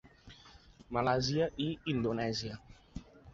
Malàisia i Indonèsia.